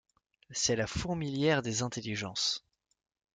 C’est la fourmilière des intelligences.